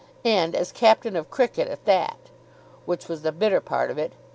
And as captain of cricket, at that. Which was the bitter part of it.